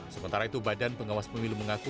sementara itu badan pengawas pemilu mengaku